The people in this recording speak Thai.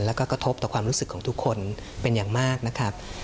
แล้วก็กระทบต่อความรู้สึกของทุกคนเป็นอย่างมากนะครับ